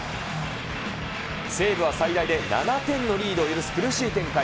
西武は最大で７点のリードを許す苦しい展開。